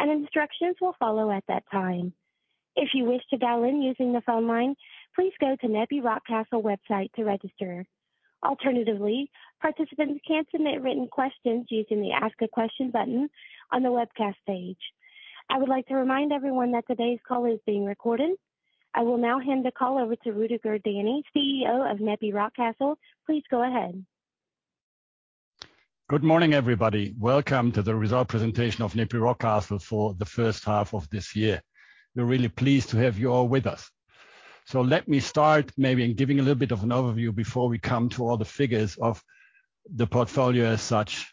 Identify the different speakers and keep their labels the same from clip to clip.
Speaker 1: And instructions will follow at that time. If you wish to dial in using the phone line, please go to NEPI Rockcastle website to register. Alternatively, participants can submit written questions using the Ask a Question button on the webcast page. I would like to remind everyone that today's call is being recorded. I will now hand the call over to Rüdiger Dany, CEO of NEPI Rockcastle. Please go ahead.
Speaker 2: Good morning, everybody. Welcome to the result presentation of NEPI Rockcastle for the first half of this year. We're really pleased to have you all with us. Let me start maybe in giving a little bit of an overview before we come to all the figures of the portfolio as such.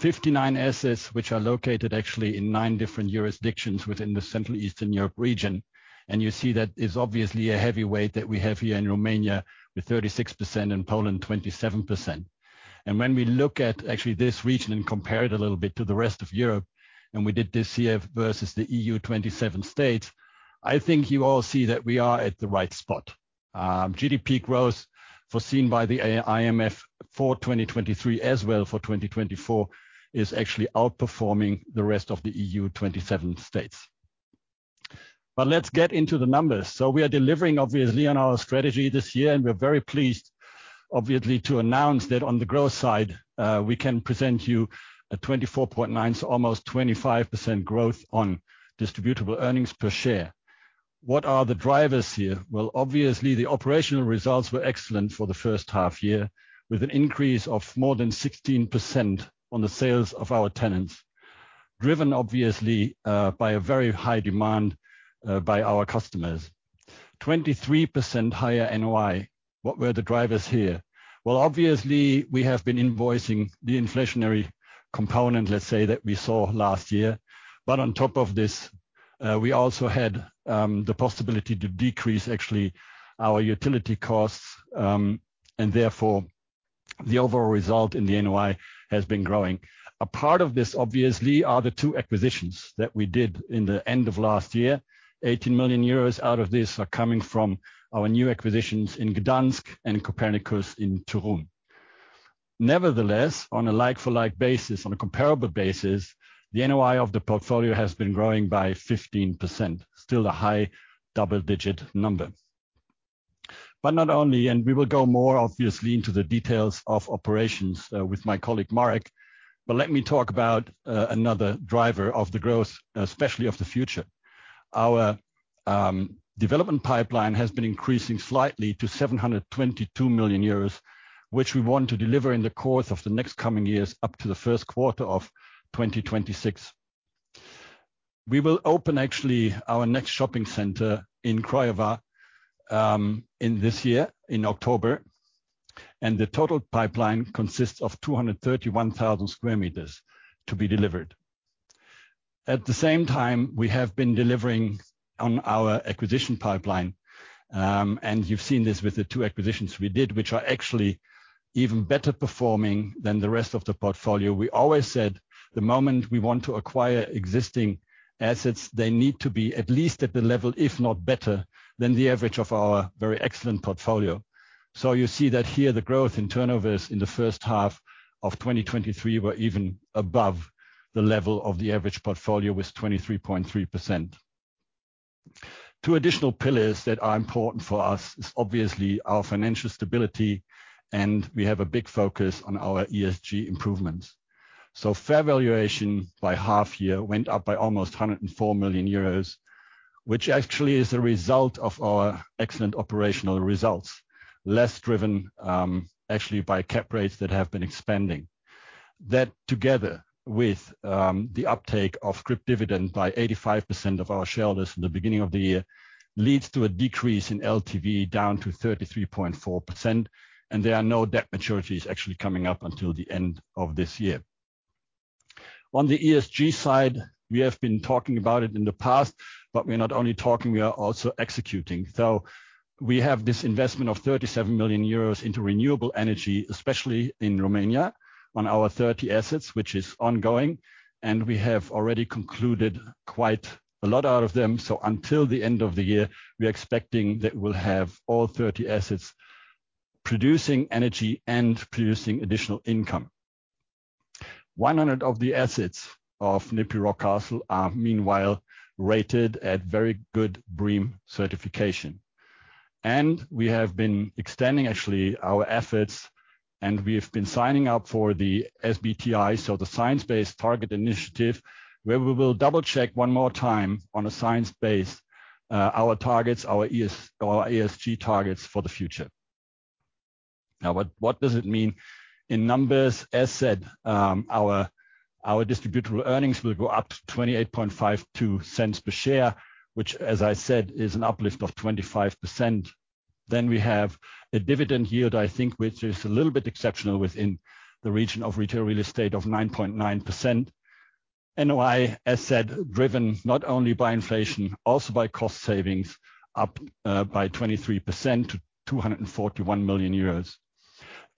Speaker 2: 59 assets, which are located actually in nine different jurisdictions within the Central Eastern Europe region, and you see that is obviously a heavyweight that we have here in Romania, with 36%, in Poland, 27%. When we look at actually this region and compare it a little bit to the rest of Europe, and we did this year versus the EU-27 states, I think you all see that we are at the right spot. GDP growth, foreseen by the IMF for 2023, as well for 2024, is actually outperforming the rest of the EU-27 states. Let's get into the numbers. We are delivering obviously on our strategy this year, and we are very pleased, obviously, to announce that on the growth side, we can present you a 24.9, so almost 25% growth on distributable earnings per share. What are the drivers here? Obviously, the operational results were excellent for the first half year, with an increase of more than 16% on the sales of our tenants, driven, obviously, by a very high demand by our customers. 23% higher NOI. What were the drivers here? Obviously, we have been invoicing the inflationary component, let's say, that we saw last year. On top of this, we also had the possibility to decrease actually our utility costs, and therefore, the overall result in the NOI has been growing. A part of this, obviously, are the two acquisitions that we did in the end of last year. 18 million euros out of this are coming from our new acquisitions in Gdańsk and Copernicus in Toruń. Nevertheless, on a like-for-like basis, on a comparable basis, the NOI of the portfolio has been growing by 15%, still a high double-digit number. Not only, and we will go more obviously into the details of operations, with my colleague, Marek, let me talk about another driver of the growth, especially of the future. Our development pipeline has been increasing slightly to 722 million euros, which we want to deliver in the course of the next coming years, up to the first quarter of 2026. We will open actually our next shopping center in Craiova in this year, in October. The total pipeline consists of 231,000 square meters to be delivered. At the same time, we have been delivering on our acquisition pipeline, and you've seen this with the two acquisitions we did, which are actually even better performing than the rest of the portfolio. We always said, the moment we want to acquire existing assets, they need to be at least at the level, if not better, than the average of our very excellent portfolio. You see that here, the growth in turnovers in the first half of 2023 were even above the level of the average portfolio, with 23.3%. Two additional pillars that are important for us is obviously our financial stability, and we have a big focus on our ESG improvements. Fair valuation by half year went up by almost 104 million euros, which actually is a result of our excellent operational results, less driven, actually by cap rates that have been expanding. That, together with, the uptake of scrip dividend by 85% of our shareholders in the beginning of the year, leads to a decrease in LTV down to 33.4%, and there are no debt maturities actually coming up until the end of this year. On the ESG side, we have been talking about it in the past, we're not only talking, we are also executing. We have this investment of 37 million euros into renewable energy, especially in Romania, on our 30 assets, which is ongoing, and we have already concluded quite a lot out of them. Until the end of the year, we are expecting that we'll have all 30 assets producing energy and producing additional income. 100 of the assets of NEPI Rockcastle are meanwhile rated at very good BREEAM certification. We have been extending actually our efforts, and we have been signing up for the SBTi, so the Science Based Targets initiative, where we will double-check one more time on a science base, our targets, our ESG targets for the future. Now, what does it mean? In numbers, as said, our distributable earnings will go up to 0.2852 per share, which, as I said, is an uplift of 25%. We have a dividend yield, I think, which is a little bit exceptional within the region of retail real estate of 9.9%. NOI, as said, driven not only by inflation, also by cost savings, up by 23% to 241 million euros.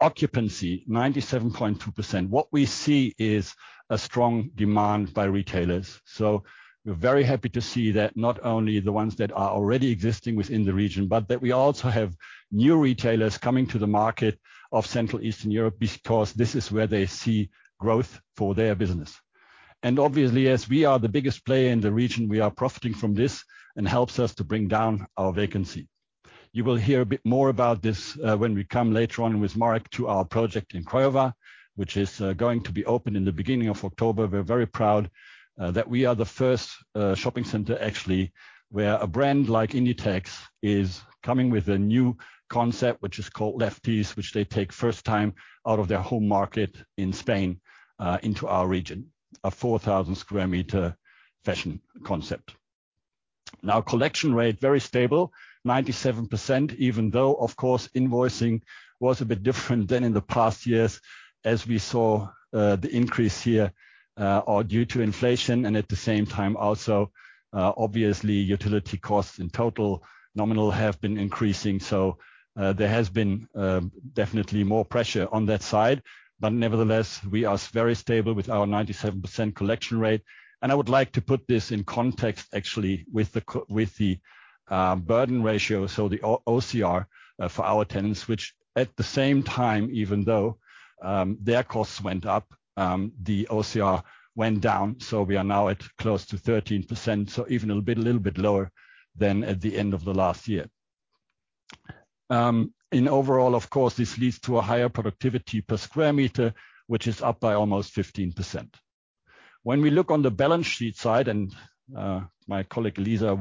Speaker 2: Occupancy, 97.2%. What we see is a strong demand by retailers. We're very happy to see that not only the ones that are already existing within the region, but that we also have new retailers coming to the market of Central Eastern Europe, because this is where they see growth for their business. Obviously, as we are the biggest player in the region, we are profiting from this, and helps us to bring down our vacancy. You will hear a bit more about this when we come later on with Marek to our project in Craiova, which is going to be opened in the beginning of October. We're very proud that we are the first shopping center, actually, where a brand like Inditex is coming with a new concept, which is called Lefties, which they take first time out of their home market in Spain into our region. A 4,000 square meter fashion concept. Now, collection rate, very stable, 97%, even though, of course, invoicing was a bit different than in the past years as we saw the increase here are due to inflation. At the same time also, obviously, utility costs in total nominal have been increasing. There has been, definitely more pressure on that side. Nevertheless, we are very stable with our 97% collection rate. I would like to put this in context, actually, with the burden ratio, so the OCR for our tenants, which at the same time, even though their costs went up, the OCR went down. We are now at close to 13%, so even a little bit, little bit lower than at the end of the last year. In overall, of course, this leads to a higher productivity per square meter, which is up by almost 15%. When we look on the balance sheet side, and my colleague, Eliza,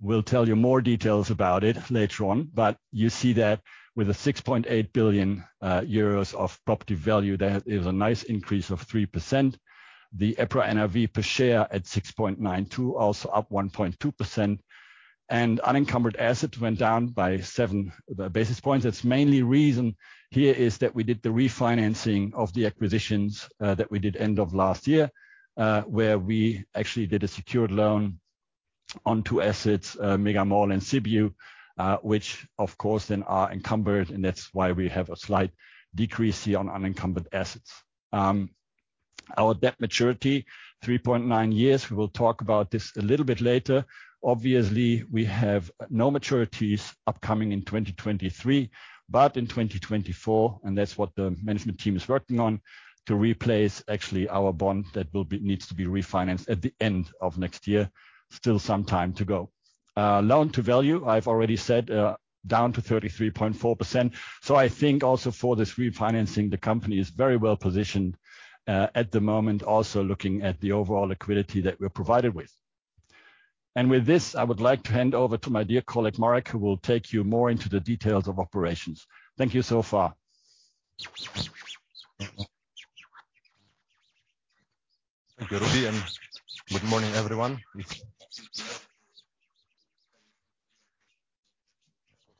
Speaker 2: will tell you more details about it later on, but you see that with a 6.8 billion euros of property value, that is a nice increase of 3%. The EPRA NAV per share at 6.92, also up 1.2%. Unencumbered assets went down by 7 basis points. Its mainly reason here is that we did the refinancing of the acquisitions that we did end of last year, where we actually did a secured loan on two assets, Mega Mall and Sibiu, which of course, then are encumbered, and that's why we have a slight decrease here on unencumbered assets. Our debt maturity, 3.9 years. We will talk about this a little bit later. Obviously, we have no maturities upcoming in 2023, but in 2024, that's what the management team is working on, to replace actually our bond that needs to be refinanced at the end of next year. Still some time to go. loan to value, I've already said, down to 33.4%. I think also for this refinancing, the company is very well positioned, at the moment, also looking at the overall liquidity that we're provided with. With this, I would like to hand over to my dear colleague, Marek, who will take you more into the details of operations. Thank you so far.
Speaker 3: Thank you, Rudy. Good morning, everyone.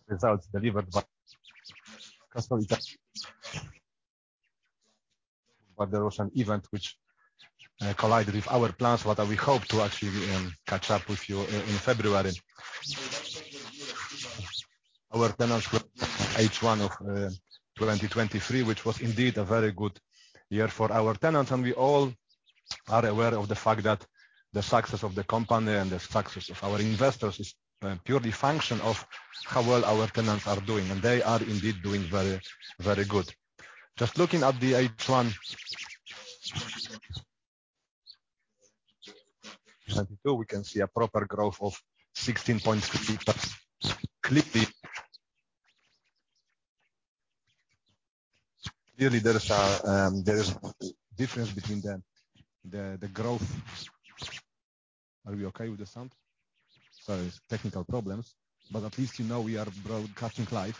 Speaker 3: Results delivered by customer. There was an event which collided with our plans, what we hope to actually catch up with you in February. Our tenants were H1 of 2023, which was indeed a very good year for our tenants. We all are aware of the fact that the success of the company and the success of our investors is purely function of how well our tenants are doing, and they are indeed doing very, very good. Just looking at the H1 2022, we can see a proper growth of 16.3%. Clearly, really there is a difference between the growth. Are we okay with the sound? Sorry, it's technical problems, but at least you know we are broadcasting live.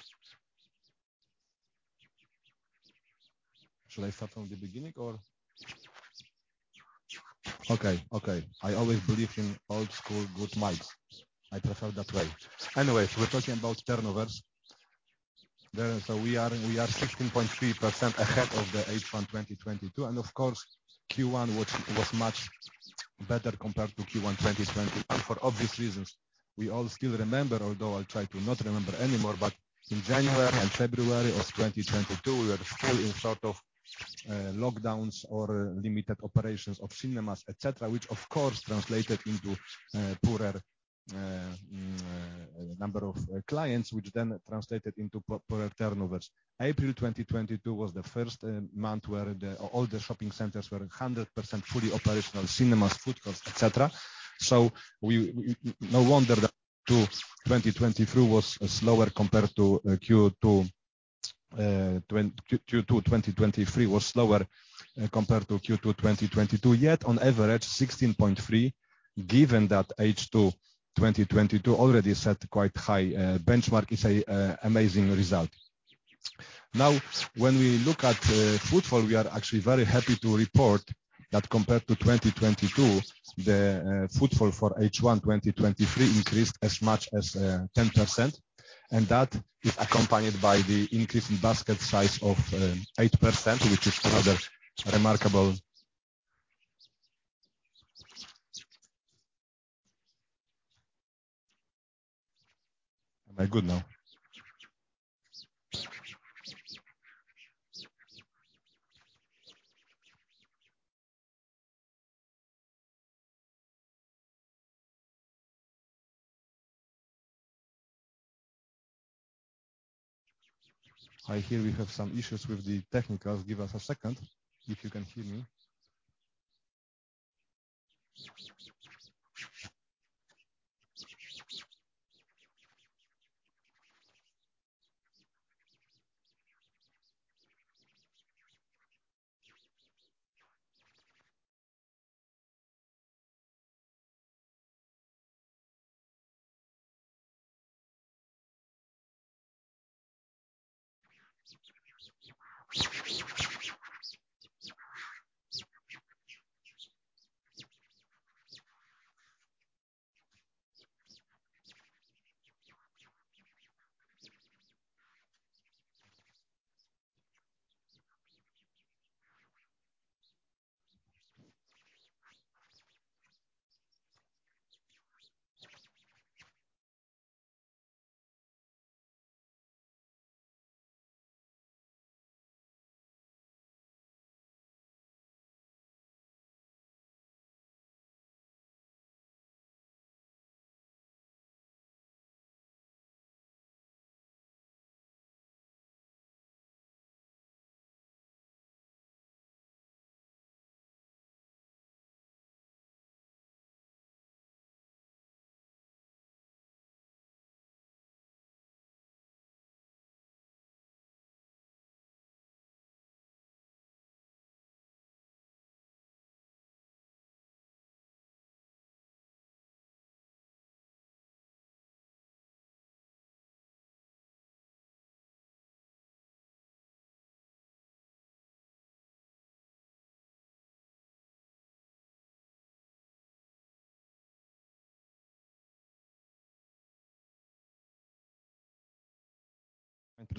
Speaker 3: Should I start from the beginning or? Okay, okay. I always believe in old school, good mics. I prefer that way. Anyways, we're talking about turnovers. There, we are, we are 16.3% ahead of the H1 2022. Of course, Q1, which was much better compared to Q1 2020. For obvious reasons, we all still remember, although I'll try to not remember anymore, but in January and February of 2022, we were still in sort of lockdowns or limited operations of cinemas, et cetera, which of course, translated into poorer number of clients, which then translated into poorer turnovers. April 2022 was the first month where the all the shopping centers were 100% fully operational, cinemas, footfalls, et cetera. We no wonder that to 2023 was slower compared to Q2, Q2 2023 was slower compared to Q2 2022. Yet on average, 16.3, given that H2 2022 already set quite high benchmark is a amazing result. Now, when we look at footfall, we are actually very happy to report that compared to 2022, the footfall for H1 2023 increased as much as 10%, and that is accompanied by the increase in basket size of 8%, which is rather remarkable. Am I good now? I hear we have some issues with the technical. Give us a second, if you can hear me.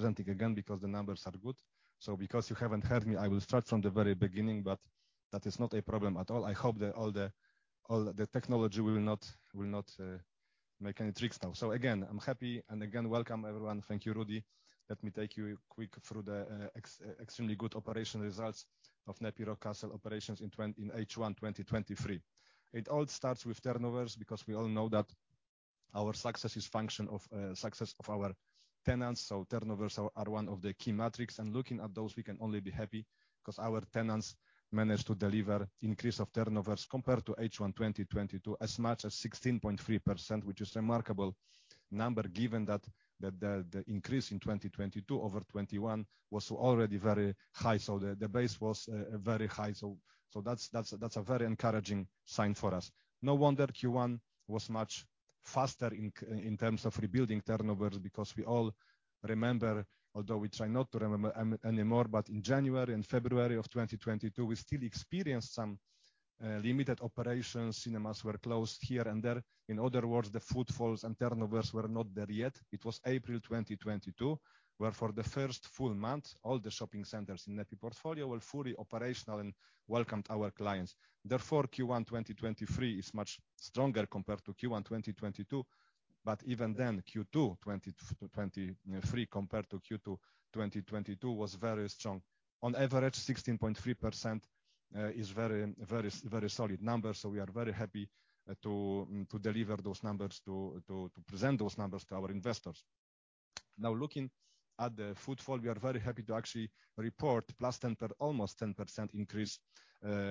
Speaker 3: I'm presenting again because the numbers are good. Because you haven't heard me, I will start from the very beginning, but that is not a problem at all. I hope that all the, all the technology will not, will not make any tricks now. Again, I'm happy and again, welcome everyone. Thank you, Rudy. Let me take you quick through the extremely good operational results of NEPI Rockcastle operations in H1 2023. It all starts with turnovers because we all know that our success is function of success of our tenants, turnovers are one of the key metrics, and looking at those, we can only be happy because our tenants managed to deliver increase of turnovers compared to H1 2022, as much as 16.3%, which is remarkable number given that the increase in 2022 over 2021 was already very high. The base was very high. That's a very encouraging sign for us. No wonder Q1 was much faster in terms of rebuilding turnovers, because we all remember, although we try not to remember anymore, but in January and February of 2022, we still experienced some limited operations. Cinemas were closed here and there. In other words, the footfalls and turnovers were not there yet. It was April 2022, where for the first full month, all the shopping centers in NEPI portfolio were fully operational and welcomed our clients. Q1 2023 is much stronger compared to Q1 2022, even then, Q2 2023 compared to Q2 2022 was very strong. On average, 16.3% is very, very, very solid number, we are very happy to deliver those numbers, to present those numbers to our investors. Looking at the footfall, we are very happy to actually report almost 10% increase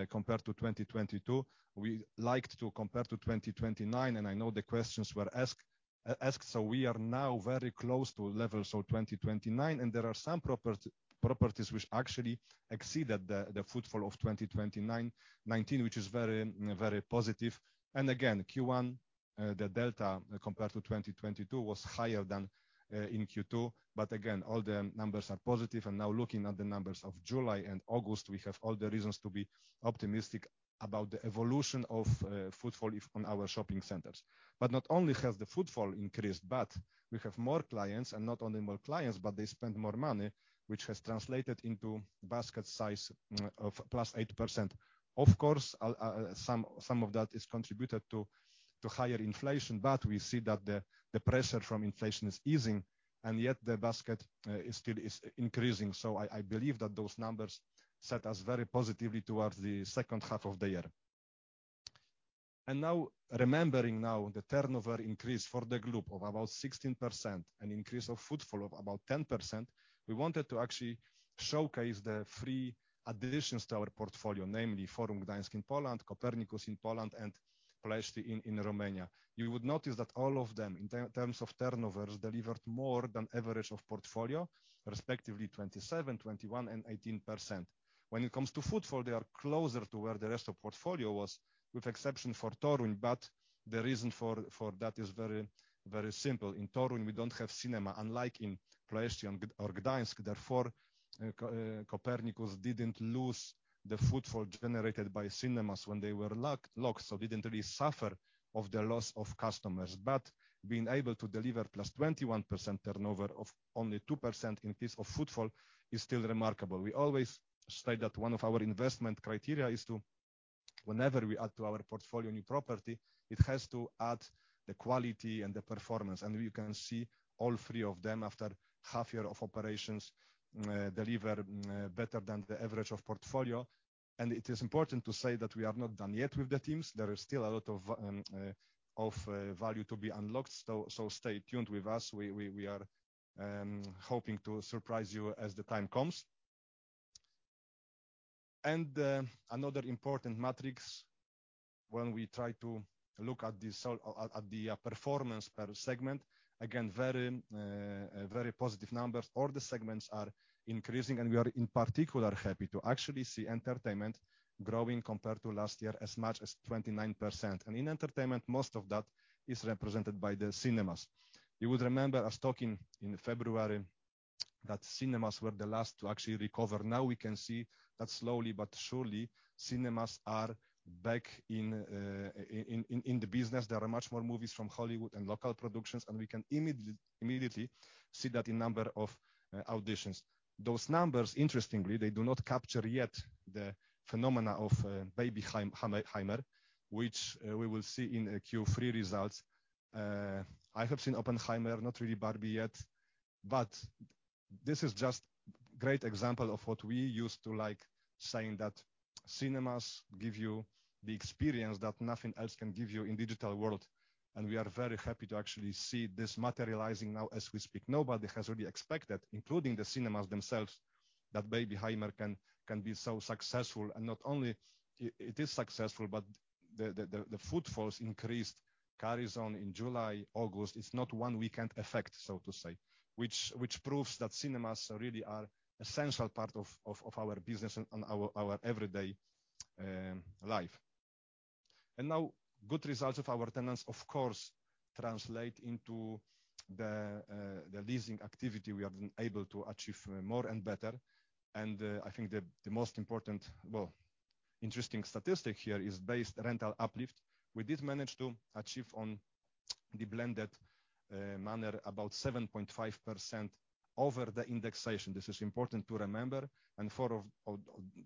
Speaker 3: compared to 2022. We liked to compare to 2029. I know the questions were asked. We are now very close to levels of 2029. There are some properties which actually exceeded the, the footfall of 2029, 19, which is very, very positive. Again, Q1, the delta compared to 2022 was higher than in Q2. Again, all the numbers are positive. Now looking at the numbers of July and August, we have all the reasons to be optimistic about the evolution of footfall if on our shopping centers. Not only has the footfall increased, but we have more clients. Not only more clients, but they spend more money, which has translated into basket size of +8%. Of course, some of that is contributed to higher inflation, but we see that the pressure from inflation is easing, and yet the basket is still increasing. I believe that those numbers set us very positively towards the second half of the year. Now, remembering now the turnover increase for the group of about 16% and increase of footfall of about 10%, we wanted to actually showcase the 3 additions to our portfolio, namely Forum Gdańsk in Poland, Copernicus in Poland, and Ploiești in Romania. You would notice that all of them, in terms of turnovers, delivered more than average of portfolio, respectively 27%, 21%, and 18%. When it comes to footfall, they are closer to where the rest of portfolio was, with exception for Toruń, but the reason for that is very, very simple. In Toruń, we don't have cinema, unlike in Ploiești and Gdańsk, therefore, Copernicus didn't lose the footfall generated by cinemas when they were locked, locked, didn't really suffer of the loss of customers. Being able to deliver +21% turnover of only 2% increase of footfall is still remarkable. We always state that one of our investment criteria is whenever we add to our portfolio new property, it has to add the quality and the performance, you can see all three of them after half year of operations, deliver better than the average of portfolio. It is important to say that we are not done yet with the teams. There is still a lot of value to be unlocked. So stay tuned with us. We, we, we are hoping to surprise you as the time comes. Another important metrics when we try to look at this performance per segment, again, very, very positive numbers. All the segments are increasing, and we are in particular, happy to actually see entertainment growing compared to last year, as much as 29%. In entertainment, most of that is represented by the cinemas. You would remember us talking in February, that cinemas were the last to actually recover. Now we can see that slowly but surely, cinemas are back in the business. There are much more movies from Hollywood and local productions, and we can immediately see that in number of auditions. Those numbers, interestingly, they do not capture yet the phenomena of Barbenheimer, which we will see in the Q3 results. I have seen Oppenheimer, not really Barbie yet, but this is just great example of what we used to like, saying that cinemas give you the experience that nothing else can give you in digital world. We are very happy to actually see this materializing now as we speak. Nobody has really expected, including the cinemas themselves, that Barbenheimer can be so successful. Not only it is successful, but the footfalls increased, carries on in July, August. It's not one weekend effect, so to say. Which proves that cinemas really are essential part of our business and our everyday life. Now good results of our tenants, of course, translate into the leasing activity. We have been able to achieve more and better, and I think the most important, well, interesting statistic here is base rental uplift. We did manage to achieve on the blended manner about 7.5% over the indexation. This is important to remember, and for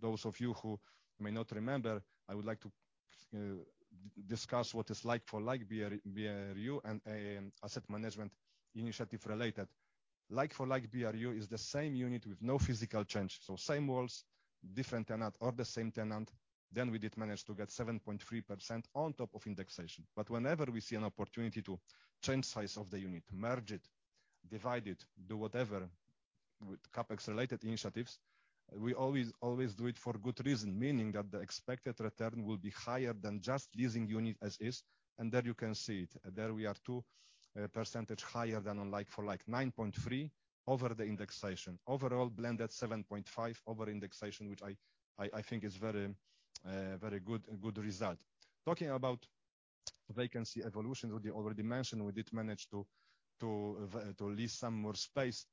Speaker 3: those of you who may not remember, I would like to discuss what is like-for-like BRU and asset management initiative related. Like-for-like BRU is the same unit with no physical change, so same walls, different tenant or the same tenant. We did manage to get 7.3% on top of indexation. Whenever we see an opportunity to change size of the unit, merge it, divide it, do whatever, with CapEx related initiatives, we always, always do it for good reason. Meaning that the expected return will be higher than just leasing unit as is. There you can see it. There we are 2% higher than on like-for-like 9.3 over the indexation. Overall, blended 7.5 over indexation, which I, I, I think is very good, good result. Talking about vacancy evolution, Rudy already mentioned we did manage to, to lease some more space.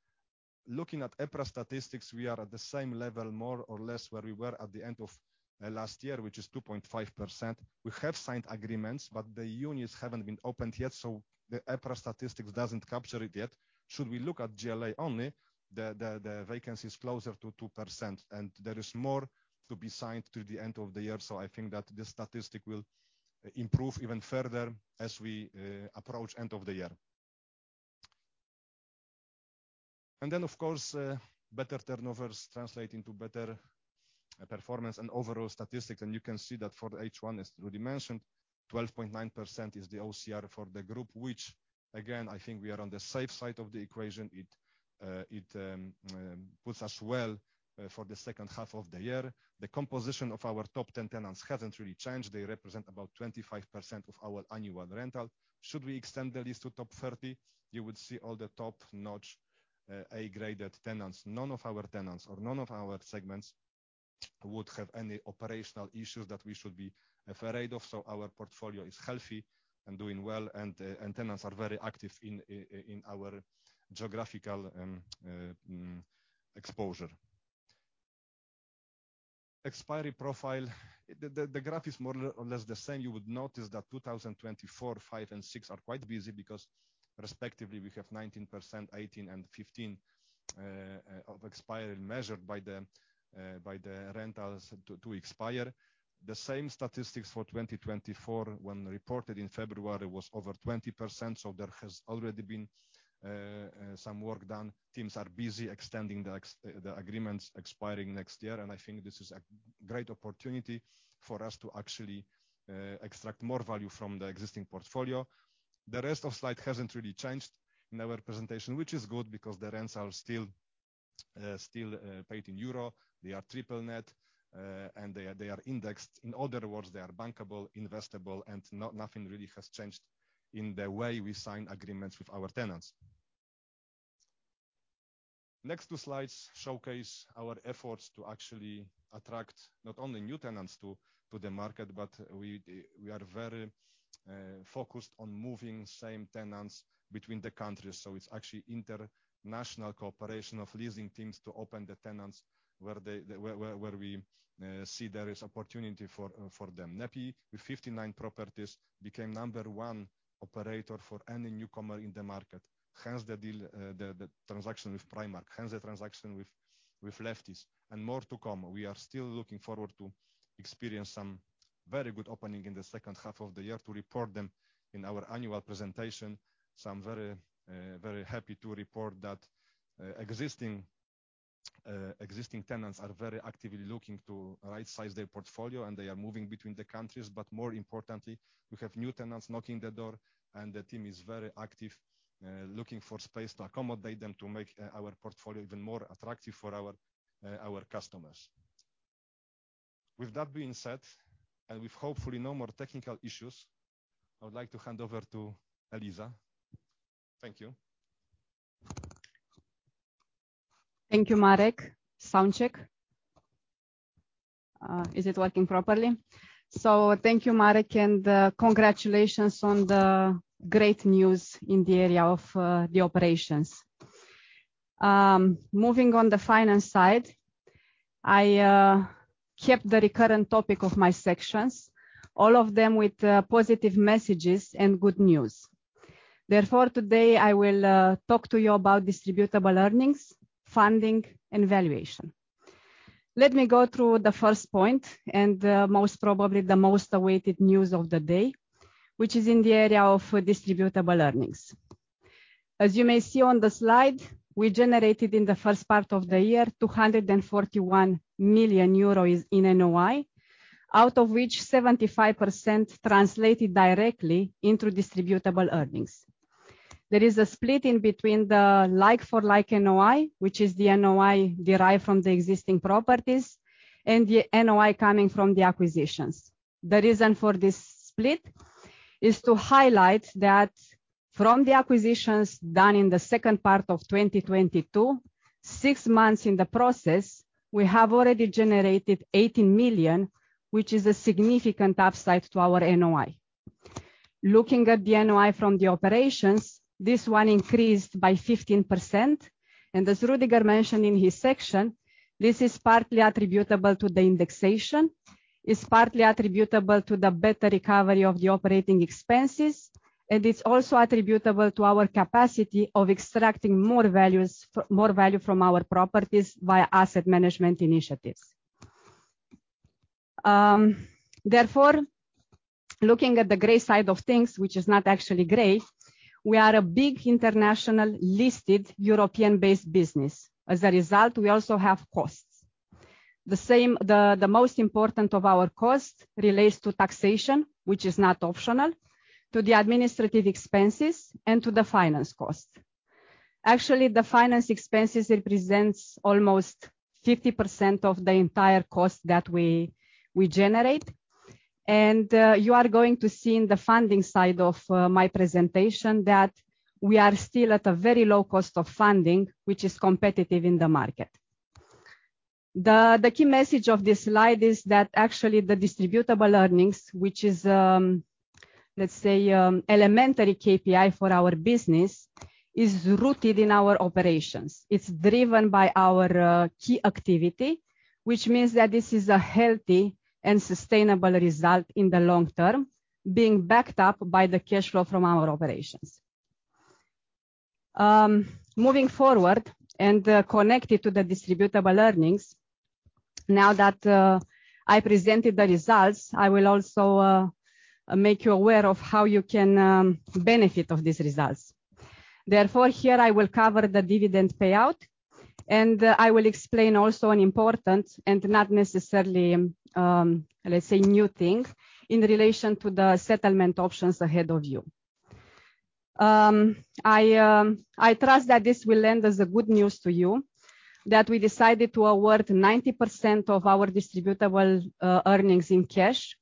Speaker 3: Looking at EPRA statistics, we are at the same level, more or less, where we were at the end of last year, which is 2.5%. We have signed agreements, but the units haven't been opened yet, so the EPRA statistics doesn't capture it yet. Should we look at GLA only, the vacancy is closer to 2%, and there is more to be signed to the end of the year. I think that this statistic will improve even further as we approach end of the year. Of course, better turnovers translate into better performance and overall statistics. You can see that for H1, as Rudy mentioned, 12.9% is the OCR for the group, which again, I think we are on the safe side of the equation. It puts us well for the second half of the year. The composition of our top 10 tenants hasn't really changed. They represent about 25% of our annual rental. Should we extend the list to top 30, you would see all the top-notch, A-graded tenants. None of our tenants or none of our segments would have any operational issues that we should be afraid of. Our portfolio is healthy and doing well, and, and tenants are very active in, in, in our geographical exposure. Expiry profile. The, the, the graph is more or less the same. You would notice that 2024, 2025 and 2026 are quite busy because respectively we have 19%, 18%, and 15% of expiry measured by the rentals to, to expire. The same statistics for 2024, when reported in February, was over 20%, so there has already been some work done. Teams are busy extending the agreements expiring next year. I think this is a great opportunity for us to actually extract more value from the existing portfolio. The rest of slide hasn't really changed in our presentation, which is good because the rents are still still paid in euro. They are triple net. They are, they are indexed. In other words, they are bankable, investable. Nothing really has changed in the way we sign agreements with our tenants. Next two slides showcase our efforts to actually attract not only new tenants to the market. We are very focused on moving same tenants between the countries. It's actually international cooperation of leasing teams to open the tenants where we see there is opportunity for them. NEPI, with 59 properties, became number one operator for any newcomer in the market. Hence the deal, the transaction with Primark, hence the transaction with Lefties, and more to come. We are still looking forward to experience very good opening in the second half of the year to report them in our annual presentation. I'm very happy to report that existing tenants are very actively looking to right-size their portfolio, and they are moving between the countries. More importantly, we have new tenants knocking the door, and the team is very active looking for space to accommodate them to make our portfolio even more attractive for our customers. With that being said, and with hopefully no more technical issues, I would like to hand over to Eliza. Thank you.
Speaker 4: Thank you, Marek. Sound check. Is it working properly? Thank you, Marek, and congratulations on the great news in the area of the operations. Moving on the finance side, I kept the recurrent topic of my sections, all of them with positive messages and good news. Therefore, today I will talk to you about distributable earnings, funding, and valuation. Let me go through the first point, and most probably the most awaited news of the day, which is in the area of distributable earnings. As you may see on the slide, we generated in the first part of the year, 241 million euros in NOI, out of which 75% translated directly into distributable earnings. There is a split in between the like-for-like NOI, which is the NOI derived from the existing properties, and the NOI coming from the acquisitions. The reason for this split is to highlight that from the acquisitions done in the second part of 2022, six months in the process, we have already generated 18 million, which is a significant upside to our NOI. Looking at the NOI from the operations, this one increased by 15%, as Rüdiger mentioned in his section, this is partly attributable to the indexation. It's partly attributable to the better recovery of the operating expenses, also attributable to our capacity of extracting more value from our properties via asset management initiatives. Therefore, looking at the gray side of things, which is not actually gray, we are a big international, listed, European-based business. As a result, we also have costs. The most important of our costs relates to taxation, which is not optional, to the administrative expenses, and to the finance cost. Actually, the finance expenses represents almost 50% of the entire cost that we, we generate, and you are going to see in the funding side of my presentation that we are still at a very low cost of funding, which is competitive in the market. The key message of this slide is that actually, the distributable earnings, which is, let's say, elementary KPI for our business, is rooted in our operations. It's driven by our key activity, which means that this is a healthy and sustainable result in the long term, being backed up by the cash flow from our operations. Moving forward, connected to the distributable earnings, now that I presented the results, I will also make you aware of how you can benefit of these results. Therefore, here I will cover the dividend payout, I will explain also an important and not necessarily new thing in relation to the settlement options ahead of you. I trust that this will lend as a good news to you, that we decided to award 90% of our distributable earnings in cash,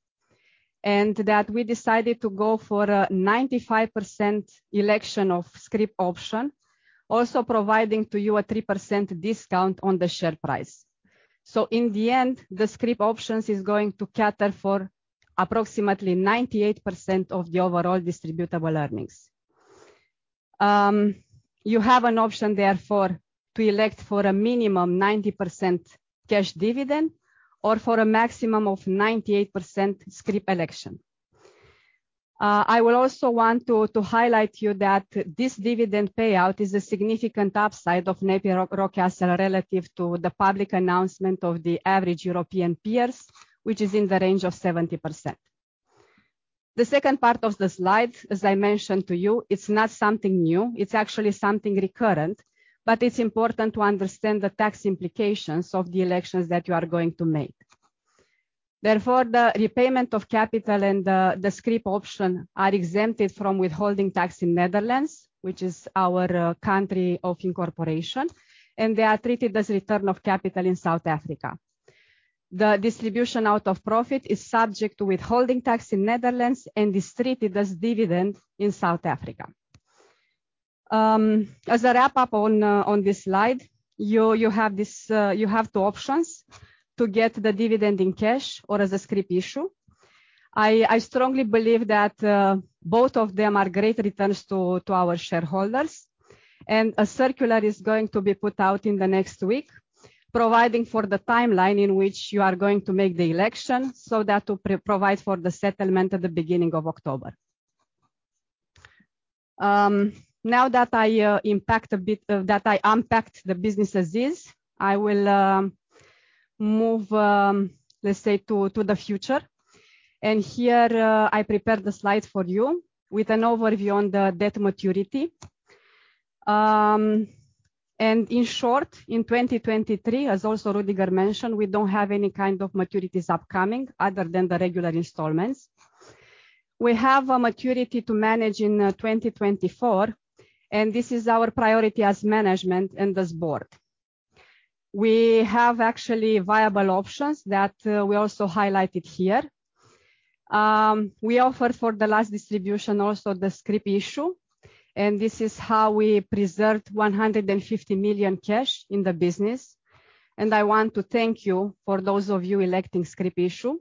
Speaker 4: and that we decided to go for a 95% election of scrip option, also providing to you a 3% discount on the share price. In the end, the scrip options is going to cater for approximately 98% of the overall distributable earnings. You have an option, therefore, to elect for a minimum 90% cash dividend or for a maximum of 98% scrip election. I will also want to highlight you that this dividend payout is a significant upside of NEPI Rockcastle relative to the public announcement of the average European peers, which is in the range of 70%. The second part of the slide, as I mentioned to you, it's not something new, it's actually something recurrent, but it's important to understand the tax implications of the elections that you are going to make. Therefore, the repayment of capital and the scrip option are exempted from withholding tax in Netherlands, which is our country of incorporation, and they are treated as return of capital in South Africa. The distribution out of profit is subject to withholding tax in Netherlands and is treated as dividend in South Africa. As a wrap-up on this slide, you have 2 options to get the dividend in cash or as a scrip issue. I, I strongly believe that both of them are great returns to, to our shareholders. A circular is going to be put out in the next week, providing for the timeline in which you are going to make the election, so that to provide for the settlement at the beginning of October. Now that I unpacked the business as is, I will move, let's say, to the future. Here I prepared the slide for you with an overview on the debt maturity. In short, in 2023, as also Rüdiger mentioned, we don't have any kind of maturities upcoming other than the regular installments. We have a maturity to manage in 2024. This is our priority as management and as board. We have actually viable options that we also highlighted here. We offer for the last distribution also the scrip issue, and this is how we preserved 150 million cash in the business. I want to thank you for those of you electing scrip issue,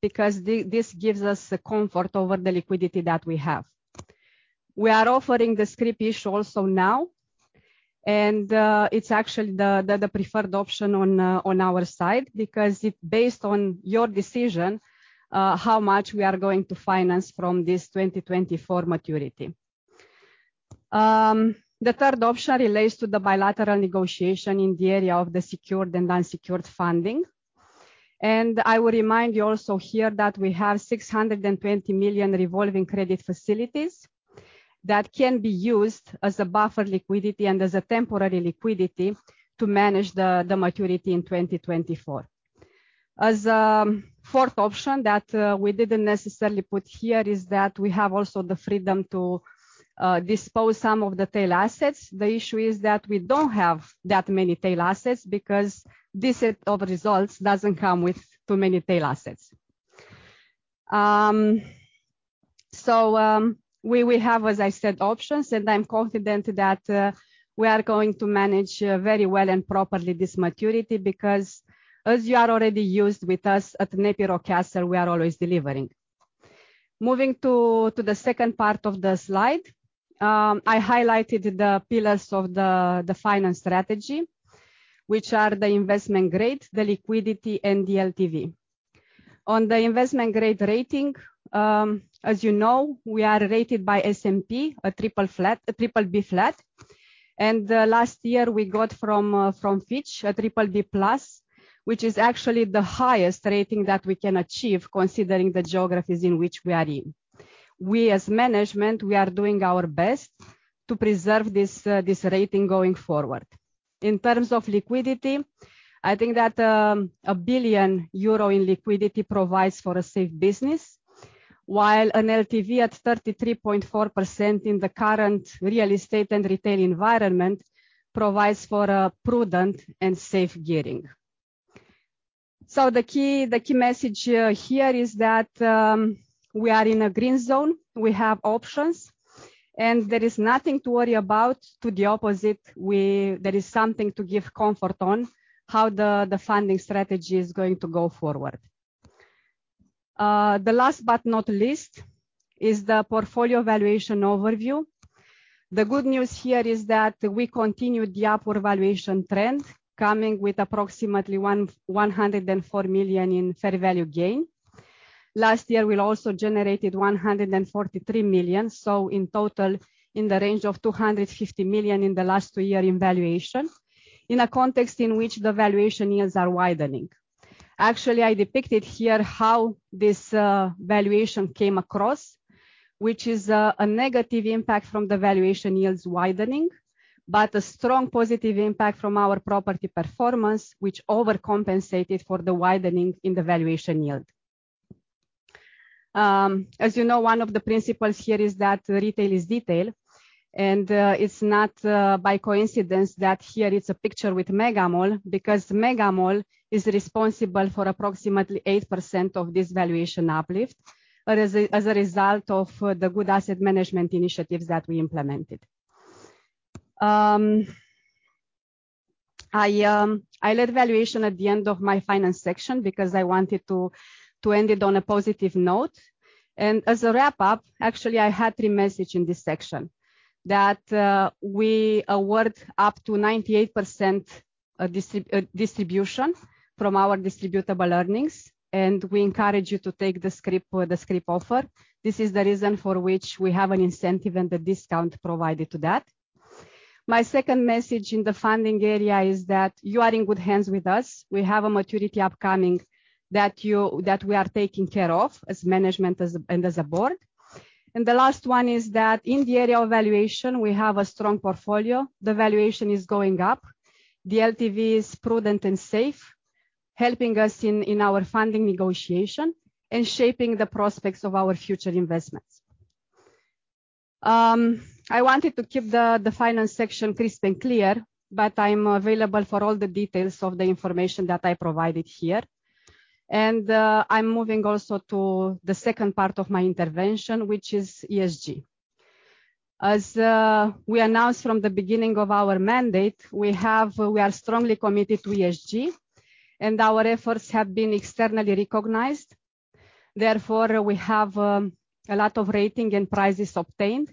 Speaker 4: because this gives us the comfort over the liquidity that we have. We are offering the scrip issue also now, and it's actually the, the, the preferred option on our side, because it based on your decision, how much we are going to finance from this 2024 maturity. The third option relates to the bilateral negotiation in the area of the secured and unsecured funding. I will remind you also here that we have 620 million revolving credit facilities that can be used as a buffer liquidity and as a temporary liquidity to manage the maturity in 2024. As fourth option that we didn't necessarily put here is that we have also the freedom to dispose some of the tail assets. The issue is that we don't have that many tail assets, because this set of results doesn't come with too many tail assets. We will have, as I said, options, and I'm confident that we are going to manage very well and properly this maturity, because as you are already used with us at NEPI Rockcastle, we are always delivering. Moving to the second part of the slide, I highlighted the pillars of the finance strategy, which are the investment grade, the liquidity, and the LTV. On the investment grade rating, as you know, we are rated by S&P, a triple B flat. Last year, we got from Fitch, a triple B plus, which is actually the highest rating that we can achieve, considering the geographies in which we are in. We, as management, we are doing our best to preserve this rating going forward. In terms of liquidity, I think that 1 billion euro in liquidity provides for a safe business, while an LTV at 33.4% in the current real estate and retail environment provides for a prudent and safe gearing. The key, the key message, here is that, we are in a green zone. We have options, and there is nothing to worry about. To the opposite, we... There is something to give comfort on how the, the funding strategy is going to go forward. The last but not least is the portfolio valuation overview. The good news here is that we continued the upward valuation trend, coming with approximately 104 million in fair value gain. Last year, we also generated 143 million, so in total, in the range of 250 million in the last 2 year in valuation, in a context in which the valuation yields are widening. Actually, I depicted here how this valuation came across, which is a negative impact from the valuation yields widening, but a strong positive impact from our property performance, which overcompensated for the widening in the valuation yield. As you know, one of the principles here is that retail is detail, and it's not by coincidence that here is a picture with Mega Mall, because Mega Mall is responsible for approximately 8% of this valuation uplift, but as a result of the good asset management initiatives that we implemented. I left valuation at the end of my finance section because I wanted to end it on a positive note. As a wrap-up, actually, I had 3 message in this section: That we award up to 98% distribution from our distributable earnings, and we encourage you to take the scrip, the scrip offer. This is the reason for which we have an incentive and a discount provided to that. My second message in the funding area is that you are in good hands with us. We have a maturity upcoming that we are taking care of as management and as a board. The last one is that in the area of valuation, we have a strong portfolio. The valuation is going up. The LTV is prudent and safe, helping us in our funding negotiation and shaping the prospects of our future investments. I wanted to keep the, the finance section crisp and clear, but I'm available for all the details of the information that I provided here. I'm moving also to the second part of my intervention, which is ESG. As we announced from the beginning of our mandate, we have, we are strongly committed to ESG, and our efforts have been externally recognized. Therefore, we have a lot of rating and prizes obtained.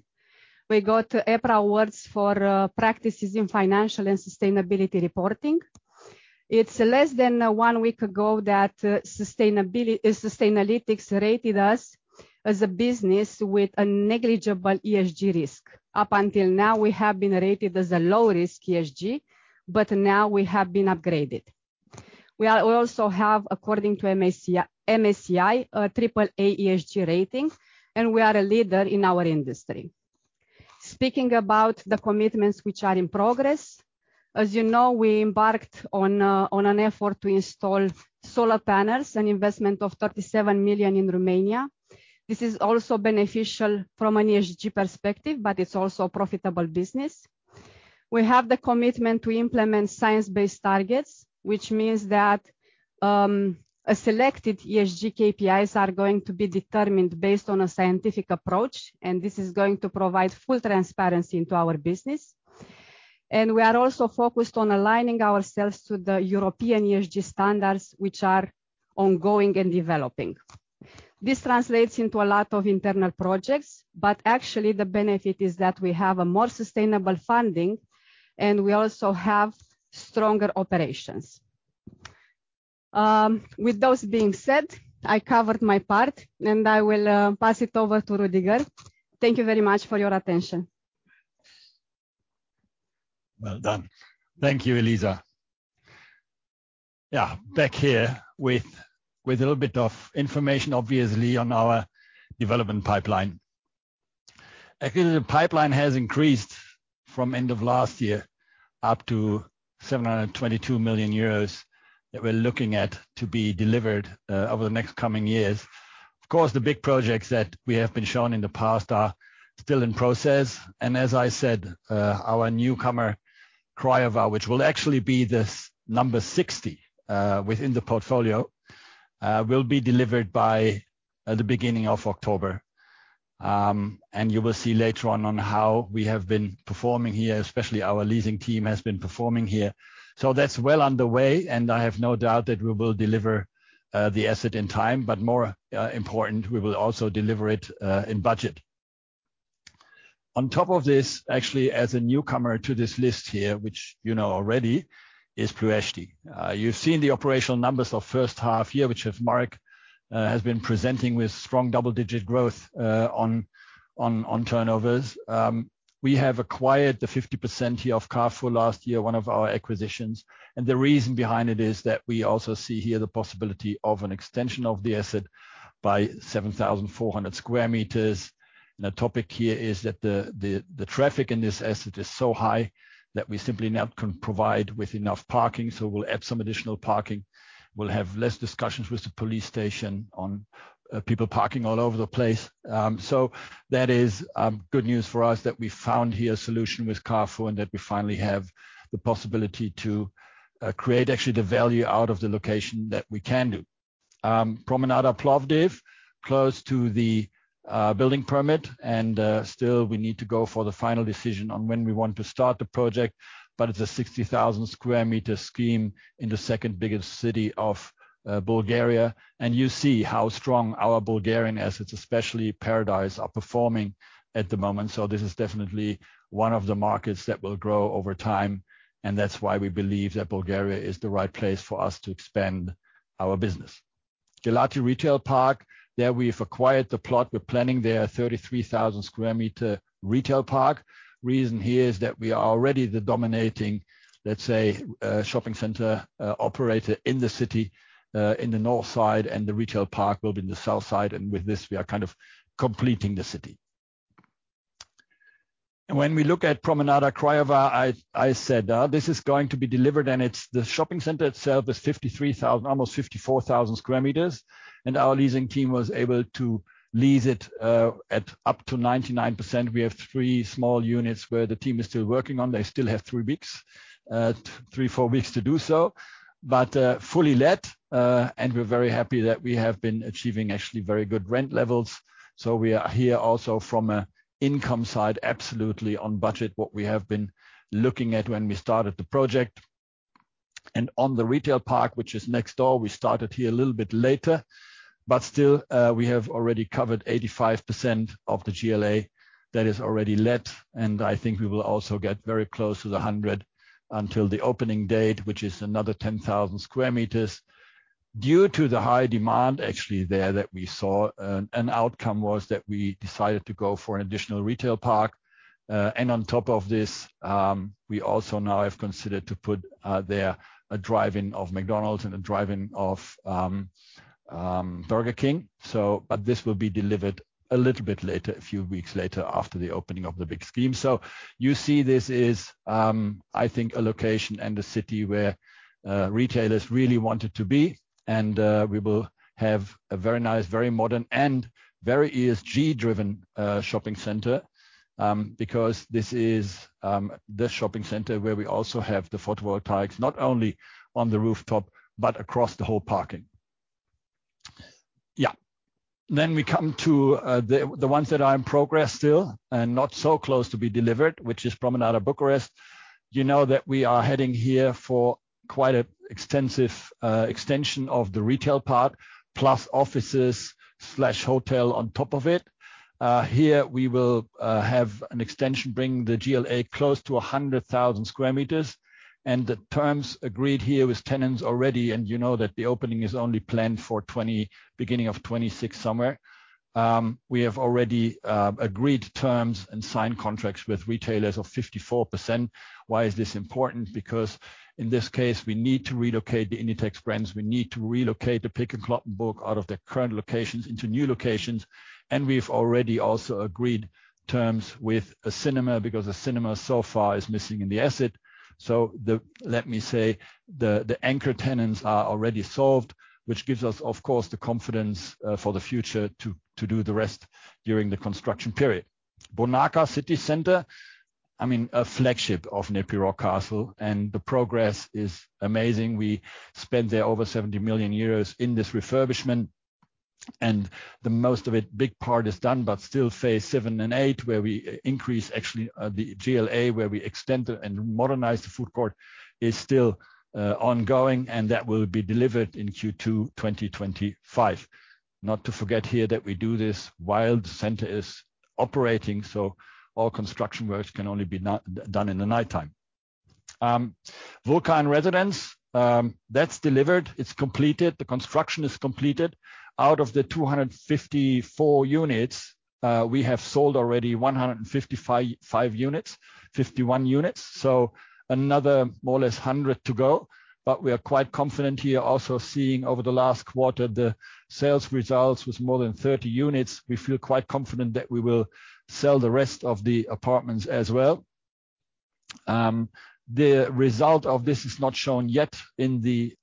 Speaker 4: We got EPRA Awards for practices in financial and sustainability reporting. It's less than 1 week ago that Sustainalytics rated us as a business with a negligible ESG risk. Up until now, we have been rated as a low-risk ESG, but now we have been upgraded. We also have, according to MSCI, a AAA ESG rating, and we are a leader in our industry. Speaking about the commitments which are in progress, as you know, we embarked on an effort to install solar panels, an investment of 37 million in Romania. This is also beneficial from an ESG perspective, but it's also a profitable business. We have the commitment to implement science-based targets, which means that a selected ESG KPIs are going to be determined based on a scientific approach, and this is going to provide full transparency into our business. We are also focused on aligning ourselves to the European ESG standards, which are ongoing and developing. This translates into a lot of internal projects, but actually the benefit is that we have a more sustainable funding, and we also have stronger operations. With those being said, I covered my part, and I will pass it over to Rüdiger. Thank you very much for your attention.
Speaker 2: Well done. Thank you, Eliza. Yeah, back here with, with a little bit of information, obviously, on our development pipeline. Actually, the pipeline has increased from end of last year up to 722 million euros, that we're looking at to be delivered over the next coming years. Of course, the big projects that we have been shown in the past are still in process. As I said, our newcomer, Craiova, which will actually be the number 60 within the portfolio, will be delivered by the beginning of October. You will see later on on how we have been performing here, especially our leasing team has been performing here. That's well underway, and I have no doubt that we will deliver the asset in time, but more important, we will also deliver it in budget. On top of this, actually, as a newcomer to this list here, which you know already, is Ploiești. You've seen the operational numbers of first half year, which have Marek has been presenting with strong double-digit growth on, on, on turnovers. We have acquired the 50% here of Carrefour last year, one of our acquisitions. The reason behind it is that we also see here the possibility of an extension of the asset by 7,400 square meters. The topic here is that the, the, the traffic in this asset is so high that we simply not can provide with enough parking, so we'll add some additional parking. We'll have less discussions with the police station on people parking all over the place. That is good news for us that we found here a solution with Carrefour and that we finally have the possibility to create actually the value out of the location that we can do. Promenada Plovdiv, close to the building permit, still, we need to go for the final decision on when we want to start the project, but it's a 60,000 square meter scheme in the second biggest city of Bulgaria. You see how strong our Bulgarian assets, especially Paradise, are performing at the moment. This is definitely one of the markets that will grow over time, and that's why we believe that Bulgaria is the right place for us to expand our business. Galați Retail Park, there we've acquired the plot. We're planning there a 33,000 square meter retail park. Reason here is that we are already the dominating, let's say, shopping center, operator in the city, in the north side, and the retail park will be in the south side, and with this, we are kind of completing the city. When we look at Promenada Craiova, I, I said, this is going to be delivered, and it's the shopping center itself is 53,000, almost 54,000 square meters, and our leasing team was able to lease it at up to 99%. We have three small units where the team is still working on. They still have three weeks, three, four weeks to do so. Fully let, and we're very happy that we have been achieving actually very good rent levels. We are here also from a income side, absolutely on budget, what we have been looking at when we started the project. On the retail park, which is next door, we started here a little bit later, but still, we have already covered 85% of the GLA. That is already let, and I think we will also get very close to the 100 until the opening date, which is another 10,000 square meters. Due to the high demand actually there that we saw, an outcome was that we decided to go for an additional retail park. On top of this, we also now have considered to put there a drive-in of McDonald's and a drive-in of Burger King. This will be delivered a little bit later, a few weeks later, after the opening of the big scheme. You see, this is, I think, a location and a city where retailers really want it to be, and we will have a very nice, very modern and very ESG-driven shopping center, because this is the shopping center where we also have the photovoltaics, not only on the rooftop, but across the whole parking. Yeah. We come to the ones that are in progress still and not so close to be delivered, which is Promenada Bucharest. You know that we are heading here for quite an extensive extension of the retail part, plus offices slash hotel on top of it. Here we will have an extension, bringing the GLA close to 100,000 square meters, the terms agreed here with tenants already, and you know that the opening is only planned for beginning of 2026 somewhere. We have already agreed terms and signed contracts with retailers of 54%. Why is this important? Because in this case, we need to relocate the Inditex brands. We need to relocate the Peek & Cloppenburg out of their current locations into new locations. We've already also agreed terms with a cinema, because a cinema so far is missing in the asset. The, let me say, the, the anchor tenants are already solved, which gives us, of course, the confidence for the future to do the rest during the construction period. Bonarka City Center, I mean, a flagship of NEPI Rockcastle, the progress is amazing. We spent there over 70 million euros in this refurbishment, the most of it, big part is done, still phase 7 and 8, where we increase actually the GLA, where we extend and modernize the food court, is still ongoing, that will be delivered in Q2 2025. Not to forget here that we do this while the center is operating, all construction works can only be done in the nighttime. Vulcan Residence, that's delivered. It's completed. The construction is completed. Out of the 254 units, we have sold already 155 units, 51 units, another more or less 100 to go. We are quite confident here also, seeing over the last quarter, the sales results with more than 30 units. We feel quite confident that we will sell the rest of the apartments as well. The result of this is not shown yet in the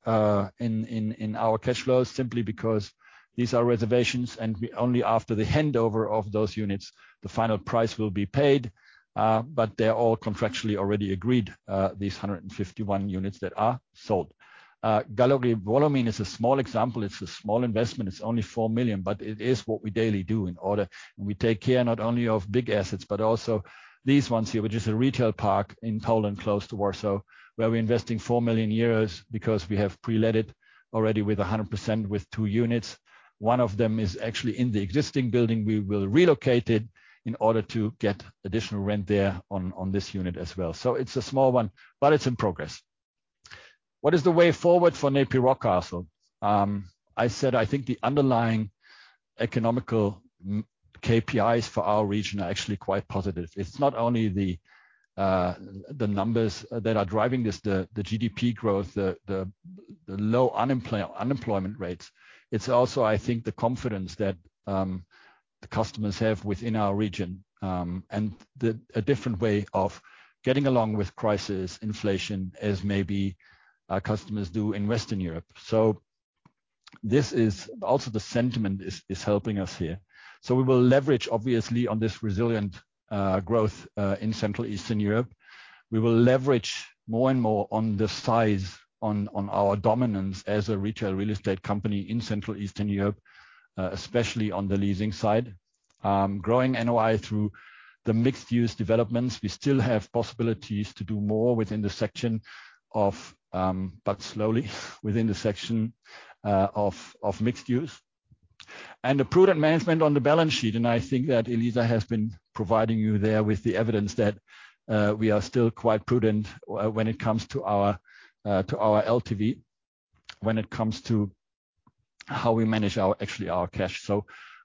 Speaker 2: in our cash flows, simply because these are reservations, and we only after the handover of those units, the final price will be paid. They're all contractually already agreed, these 151 units that are sold. Galeria Wołomin is a small example. It's a small investment. It's only 4 million, but it is what we daily do in order... We take care not only of big assets, but also these ones here, which is a retail park in Poland, close to Warsaw, where we're investing 4 million euros because we have pre-let it already with 100% with 2 units. One of them is actually in the existing building. We will relocate it in order to get additional rent there on, on this unit as well. It's a small one, but it's in progress. What is the way forward for NEPI Rockcastle? I said I think the underlying economical KPIs for our region are actually quite positive. It's not only the, the numbers that are driving this, the, the GDP growth, the, the, the low unemployment rates. It's also, I think, the confidence that the customers have within our region, and a different way of getting along with crisis, inflation, as maybe our customers do in Western Europe. This is. Also, the sentiment is, is helping us here. We will leverage, obviously, on this resilient growth in Central Eastern Europe. We will leverage more and more on the size on our dominance as a retail real estate company in Central Eastern Europe, especially on the leasing side. Growing NOI through the mixed-use developments, we still have possibilities to do more within the section of, but slowly within the section of, of mixed use. A prudent management on the balance sheet, and I think that Eliza has been providing you there with the evidence that we are still quite prudent when it comes to our LTV, when it comes to how we manage our, actually our cash.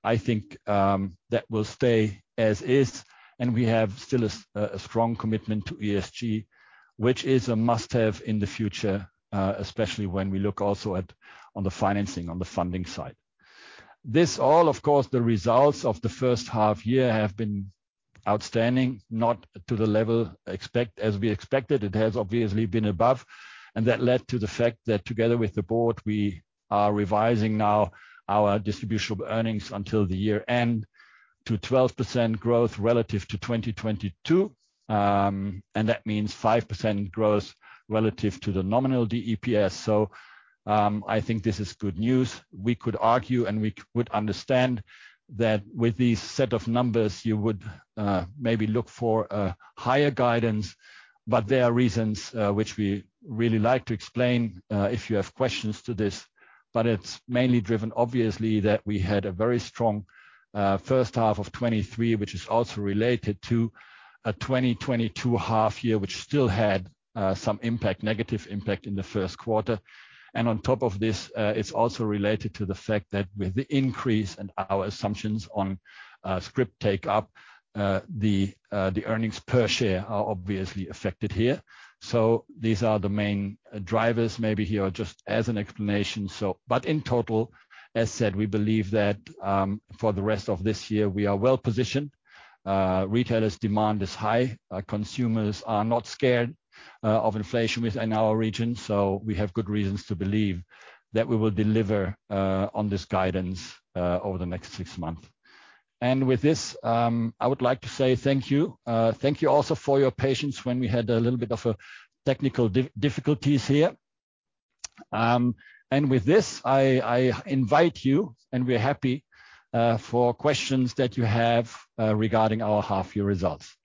Speaker 2: I think that will stay as is, and we have still a strong commitment to ESG, which is a must-have in the future, especially when we look also at, on the financing, on the funding side. This all, of course, the results of the first half year have been outstanding, not to the level as we expected. It has obviously been above, and that led to the fact that together with the Board, we are revising now our distribution of earnings until the year end to 12% growth relative to 2022. That means 5% growth relative to the nominal, the EPS. I think this is good news. We could argue, and we would understand that with these set of numbers, you would maybe look for a higher guidance, but there are reasons which we really like to explain if you have questions to this. It's mainly driven, obviously, that we had a very strong first half of 2023, which is also related to a 2022 half year, which still had some impact, negative impact in the first quarter. On top of this, it's also related to the fact that with the increase in our assumptions on scrip take-up, the earnings per share are obviously affected here. These are the main drivers maybe here, just as an explanation. In total, as said, we believe that for the rest of this year, we are well positioned. Retailers' demand is high. Our consumers are not scared of inflation within our region. We have good reasons to believe that we will deliver on this guidance over the next six months. With this, I would like to say thank you. Thank you also for your patience when we had a little bit of a technical difficulties here. With this, I invite you, and we're happy for questions that you have regarding our half-year results.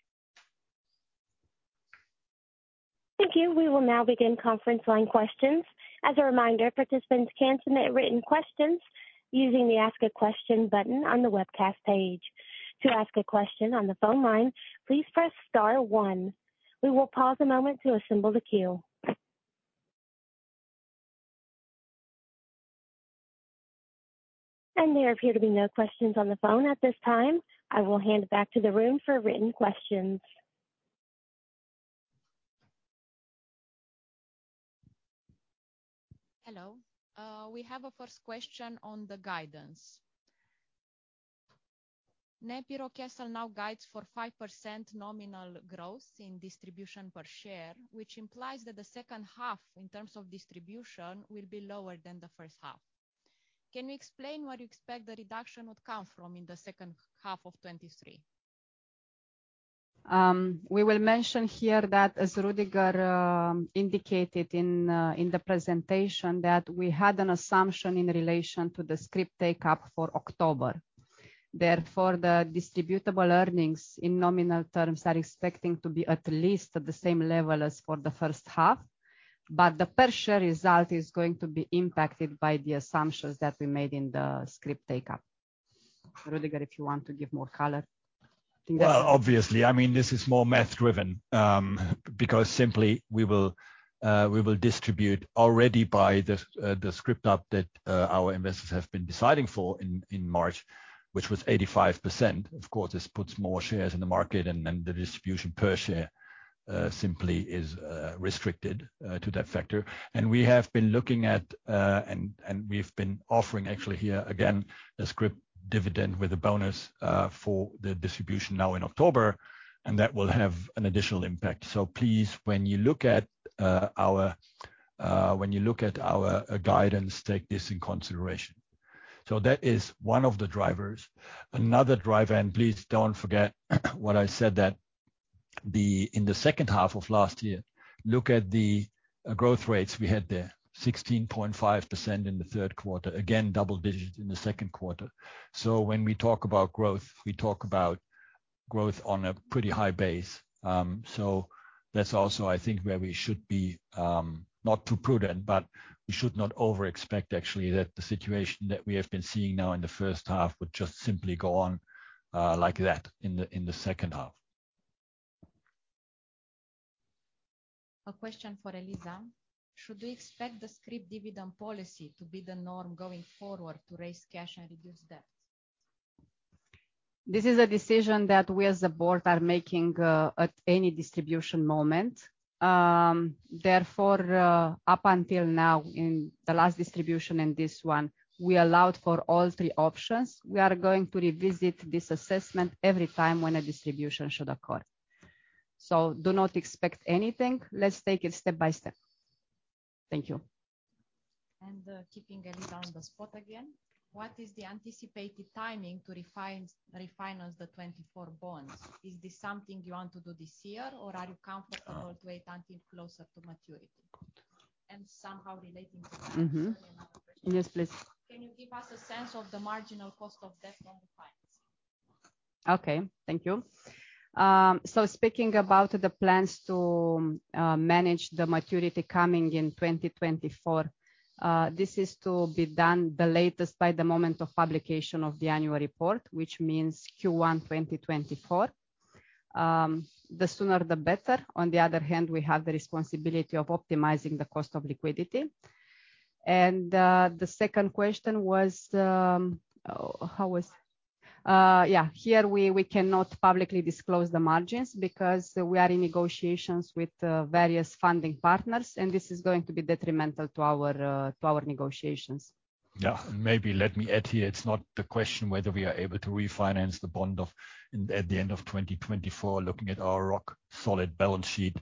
Speaker 1: Thank you. We will now begin conference line questions. As a reminder, participants can submit written questions using the Ask a Question button on the webcast page. To ask a question on the phone line, please press star one. We will pause a moment to assemble the queue. There appear to be no questions on the phone at this time. I will hand it back to the room for written questions.
Speaker 5: Hello. We have a first question on the guidance. NEPI Rockcastle now guides for 5% nominal growth in distribution per share, which implies that the second half, in terms of distribution, will be lower than the first half. Can you explain where you expect the reduction would come from in the second half of 2023?
Speaker 4: We will mention here that, as Rüdiger indicated in the presentation, that we had an assumption in relation to the scrip take-up for October. Therefore, the distributable earnings in nominal terms are expecting to be at least at the same level as for the first half, but the per share result is going to be impacted by the assumptions that we made in the scrip take-up. Rüdiger, if you want to give more color, I think that.
Speaker 2: Well, obviously, I mean, this is more math driven, because simply we will distribute already by the scrip that our investors have been deciding for in March, which was 85%. Of course, this puts more shares in the market. The distribution per share simply is restricted to that factor. We've been offering actually here, again, a scrip dividend with a bonus for the distribution now in October, and that will have an additional impact. Please, when you look at our, when you look at our guidance, take this into consideration. That is one of the drivers. Another driver. Please don't forget what I said that in the second half of last year, look at the growth rates we had there, 16.5% in the third quarter. Again, double digits in the second quarter. When we talk about growth, we talk about growth on a pretty high base. That's also, I think, where we should be not too prudent, but we should not overexpect actually that the situation that we have been seeing now in the first half would just simply go on like that in the second half.
Speaker 5: A question for Eliza: Should we expect the scrip dividend policy to be the norm going forward to raise cash and reduce debt?
Speaker 4: This is a decision that we, as a board, are making, at any distribution moment. Therefore, up until now, in the last distribution and this one, we allowed for all three options. We are going to revisit this assessment every time when a distribution should occur. Do not expect anything. Let's take it step by step. Thank you.
Speaker 5: Keeping Eliza on the spot again, what is the anticipated timing to refine, refinance the 2024 bonds? Is this something you want to do this year, or are you comfortable-
Speaker 4: Uh-
Speaker 5: to wait until closer to maturity? Somehow relating to that-
Speaker 4: Mm-hmm
Speaker 5: another question.
Speaker 4: Yes, please.
Speaker 5: Can you give us a sense of the marginal cost of debt on the finance?
Speaker 4: Okay. Thank you. Speaking about the plans to manage the maturity coming in 2024, this is to be done the latest by the moment of publication of the annual report, which means Q1 2024. The sooner, the better. On the other hand, we have the responsibility of optimizing the cost of liquidity. The second question was, oh, how was... Yeah, here we, we cannot publicly disclose the margins because we are in negotiations with various funding partners, and this is going to be detrimental to our to our negotiations.
Speaker 2: Yeah, maybe let me add here. It's not the question whether we are able to refinance the bond of, at the end of 2024, looking at our rock-solid balance sheet,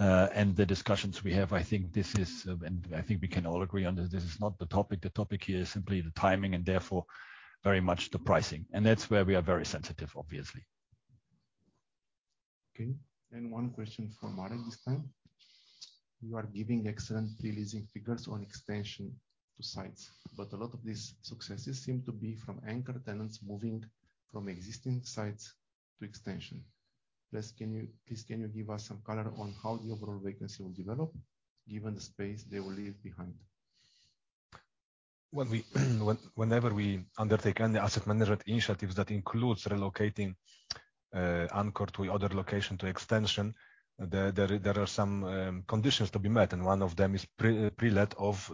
Speaker 2: and the discussions we have. I think this is, and I think we can all agree on this, this is not the topic. The topic here is simply the timing and therefore, very much the pricing. That's where we are very sensitive, obviously.
Speaker 5: Okay, and one question for Marek this time. You are giving excellent pre-leasing figures on extension to sites, but a lot of these successes seem to be from anchor tenants moving from existing sites to extension. Please, can you give us some color on how the overall vacancy will develop, given the space they will leave behind?
Speaker 3: Whenever we undertake any asset management initiatives that includes relocating anchor to other location, to extension, there are some conditions to be met, and 1 of them is pre-let of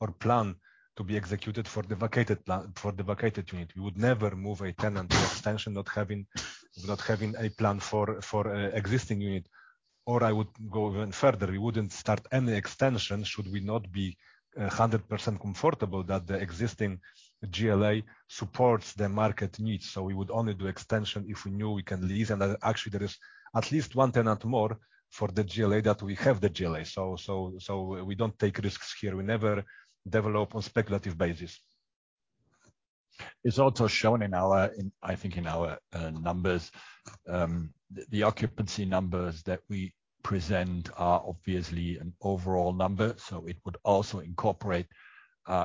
Speaker 3: or plan to be executed for the vacated plan, for the vacated unit. We would never move a tenant to extension, not having, not having a plan for a, existing unit. I would go even further. We wouldn't start any extension should we not be 100% comfortable that the existing GLA supports the market needs. We would only do extension if we knew we can lease, and that actually there is at least 1 tenant more for the GLA, that we have the GLA. We don't take risks here. We never develop on speculative basis.
Speaker 2: It's also shown in our, I think in our numbers. The, the occupancy numbers that we present are obviously an overall number, so it would also incorporate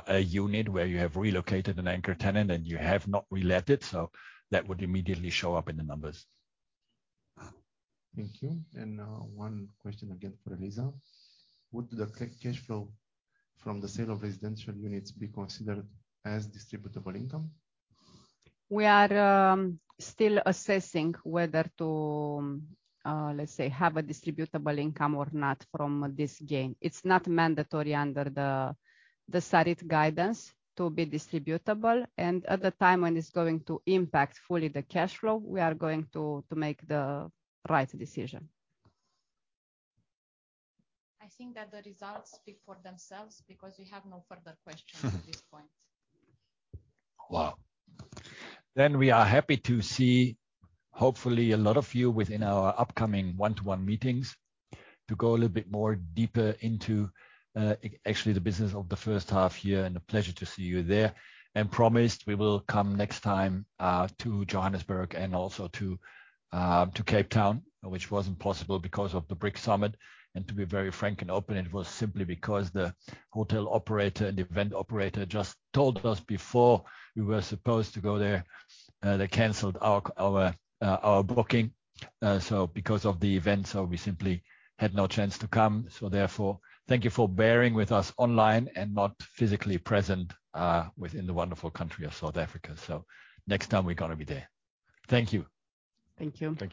Speaker 2: a unit where you have relocated an anchor tenant and you have not relet it, so that would immediately show up in the numbers.
Speaker 5: Thank you. One question again for Eliza. Would the cash flow from the sale of residential units be considered as distributable income?
Speaker 4: We are still assessing whether to, let's say, have a distributable income or not from this gain. It's not mandatory under the SARB guidance to be distributable, and at the time when it's going to impact fully the cash flow, we are going to make the right decision.
Speaker 5: I think that the results speak for themselves because we have no further questions at this point.
Speaker 2: Wow! We are happy to see, hopefully a lot of you within our upcoming one-to-one meetings, to go a little bit more deeper into actually the business of the first half year, and a pleasure to see you there. Promised, we will come next time to Johannesburg and also to Cape Town, which wasn't possible because of the BRICS Summit. To be very frank and open, it was simply because the hotel operator and event operator just told us before we were supposed to go there, they canceled our, our, our booking, so because of the event, so we simply had no chance to come. Therefore, thank you for bearing with us online and not physically present within the wonderful country of South Africa. Next time, we're gonna be there. Thank you.
Speaker 4: Thank you.
Speaker 2: Thank you.